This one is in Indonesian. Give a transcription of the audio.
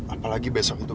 apalagi besok itu kan